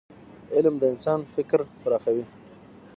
علم د انسان فکر پراخوي.